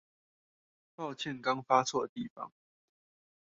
抱歉剛發錯地方